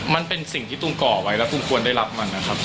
มันเป็นสิ่งที่ตูมก่อไว้แล้วตุ้มควรได้รับมันนะครับ